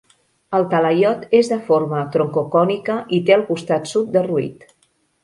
El talaiot és de forma troncocònica i té el costat sud derruït.